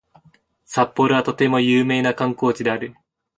札幌はとても有名な観光地である